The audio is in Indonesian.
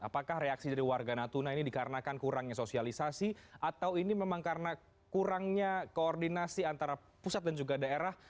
apakah reaksi dari warga natuna ini dikarenakan kurangnya sosialisasi atau ini memang karena kurangnya koordinasi antara pusat dan juga daerah